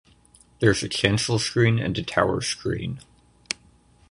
There is a chancel screen and a tower screen.